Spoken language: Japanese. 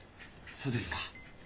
そうですか。